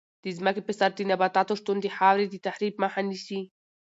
د ځمکې په سر د نباتاتو شتون د خاورې د تخریب مخه نیسي.